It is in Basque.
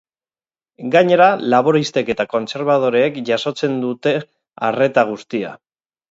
Gainera, laboristek eta kontserbadoreek jasotzen dute arreta guztia.